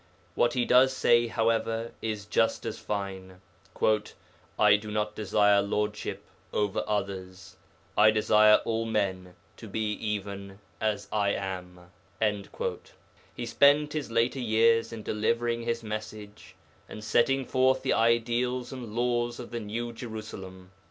What he does say, however, is just as fine, 'I do not desire lordship over others; I desire all men to be even as I am.' He spent his later years in delivering his message, and setting forth the ideals and laws of the New Jerusalem.